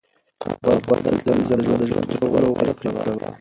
کابل ته تلل زما د ژوند تر ټولو غوره پرېکړه وه.